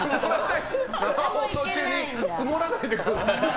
生放送中にツモらないでください。